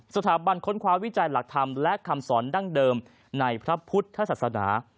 สถาบันค้นคว้าวิจัยหลักธรรมและคำสอนดั้งเดิมในพระพุทธศาสนา